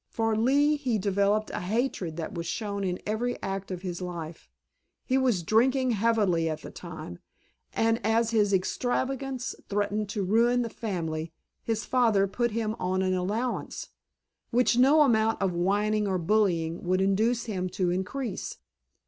For Lee he developed a hatred that was shown in every act of his life. He was drinking heavily at the time, and as his extravagance threatened to ruin the family his father put him on an allowance, which no amount of whining or bullying would induce him to increase.